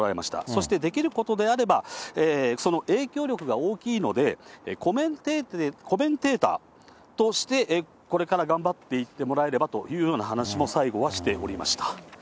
そしてできることであれば、その影響力が大きいので、コメンテーターとして、これから頑張っていってもらえればというような話も最後はしておりました。